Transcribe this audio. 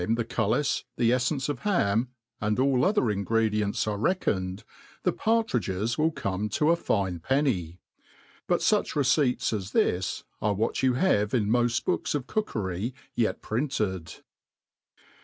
the cullis, the efleiuse of ham, and all ather ingredients are reckoned, the partridges will come to a fitie penny. But fach receipts as this are what you have in moft books of cookery yet printed.